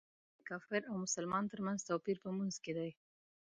د کافر او مسلمان تر منځ توپیر په لمونځ کې دی.